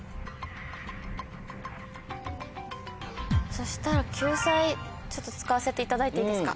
そしたら救済使わせていただいていいですか？